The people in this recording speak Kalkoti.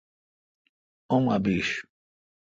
اوما بیش۔